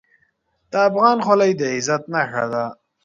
د افغان خولۍ د عزت نښه ده.